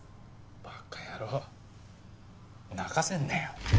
馬鹿野郎泣かせんなよ。